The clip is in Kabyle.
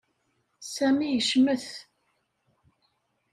Sami yecmet.